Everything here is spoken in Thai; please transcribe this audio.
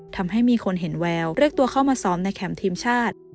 ทำให้มีคนเห็นแววเรียกตัวเข้ามาซ้อมในแคมป์ทีมชาติ